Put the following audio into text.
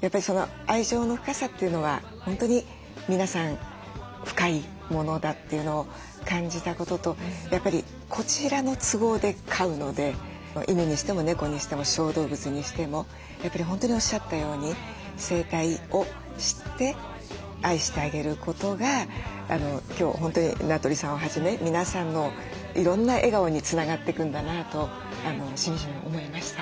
やっぱり愛情の深さというのは本当に皆さん深いものだというのを感じたこととやっぱりこちらの都合で飼うので犬にしても猫にしても小動物にしてもやっぱり本当におっしゃったように生態を知って愛してあげることが今日本当に名取さんをはじめ皆さんのいろんな笑顔につながっていくんだなとしみじみ思いました。